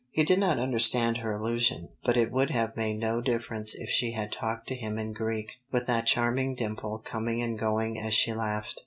He did not understand her allusion, but it would have made no difference if she had talked to him in Greek, with that charming dimple coming and going as she laughed.